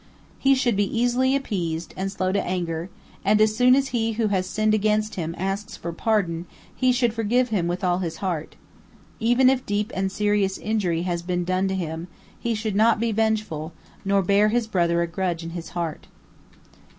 He should be easily appeased, and slow to anger, and as soon as he who has sinned against him asks for pardon, he should forgive him with all his heart. Even if deep and serious injury has been done to him, he should not be vengeful, nor bear his brother a grudge in his heart.